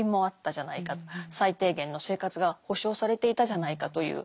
最低限の生活が保障されていたじゃないかという。